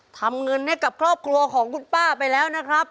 ทำเงินให้กับครอบครัวของคุณป้าไปแล้วนะครับ